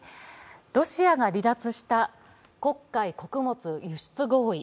ロシアが離脱した黒海穀物輸出合意。